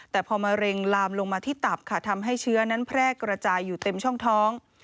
แต่พอมะเร็งลามลงมาที่ตับค่ะทำให้เชื้อนั้นแพร่กระจายอยู่เต็มช่องท้อง